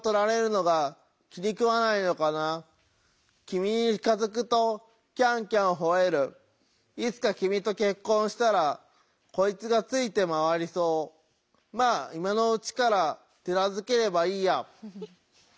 君に近づくとキャンキャンほえるいつか君とけっこんしたらこいつがついてまわりそうまあ今のうちから手なずければいいや」。